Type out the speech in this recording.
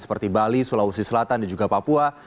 seperti bali sulawesi selatan dan juga papua